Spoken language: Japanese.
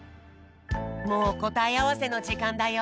もうこたえあわせのじかんだよ。